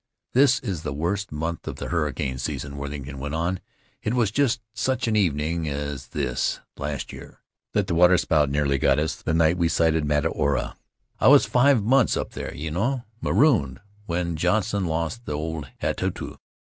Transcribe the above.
"This is the worst month of the hurricane season," Worthington went on; "it was just such an evening as this, last year, that the waterspout nearly got us — the night we sighted Mataora. I was five months up there, you know — marooned when Johnson lost the old Hatutu.